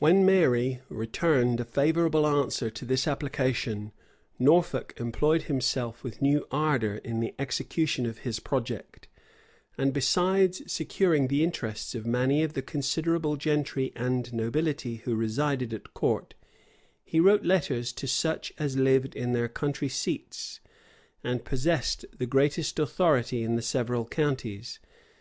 535, 539 When Mary returned a favorable answer to this application, Norfolk employed himself with new ardor in the execution of his project; and besides securing the interests of many of the considerable gentry and nobility who resided at court, he wrote letters to such as lived at their country seats, and possessed the greatest authority in the several counties.